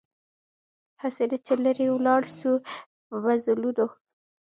هسي نه چي لیري ولاړ سو په مزلونو